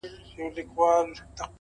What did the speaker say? د زړه صفا اړیکې پیاوړې کوي!